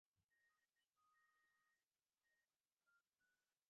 ধর্মবিজ্ঞান সম্বন্ধেও এই একই কথা বলা চলে।